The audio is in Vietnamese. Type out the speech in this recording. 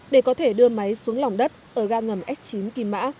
để có thể đưa máy xuống lòng đất ở ga ngầm s chín kim mã